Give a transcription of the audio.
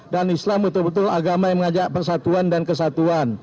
dan islam betul betul agama yang mengajak persatuan dan kesatuan